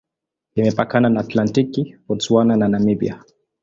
Imepakana na Atlantiki, Botswana na Namibia.